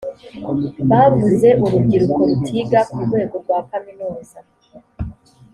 bavuze urubyiruko rutiga ku rwego rwakaminuza